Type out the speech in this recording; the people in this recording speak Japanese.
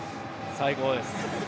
最高です。